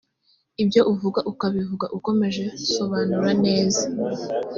ibyo uvuga ukabivuga ukomeje sobanura neza